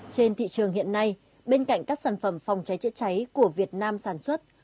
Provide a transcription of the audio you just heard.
trên thị trường hiện nay bên cạnh các sản phẩm phòng cháy chữa cháy của việt nam sản xuất